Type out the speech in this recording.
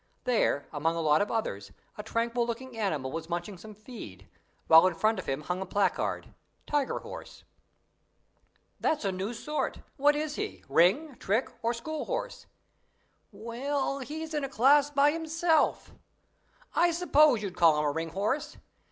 There, among a lot of others, a tranquil looking animal was munching some feed, while in front of him hung a placard, "Tiger Horse". "That's a new sort! What is he, ring, trick, or school horse?" "Well, he's a class by himself. I suppose you'd call him a ring horse.